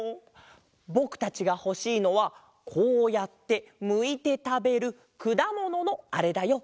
ぼくたちがほしいのはこうやってむいてたべるくだもののあれだよ。